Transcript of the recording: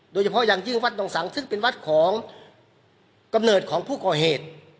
โดยเฉพาะอย่างยิ่งวัดดองสังซึ่งเป็นวัดของกำเนิดของผู้ก่อเหตุ